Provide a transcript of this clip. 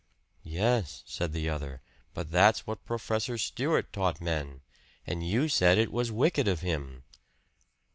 "Yes," said the other, "but that's what Professor Stewart taught men. And you said it was wicked of him."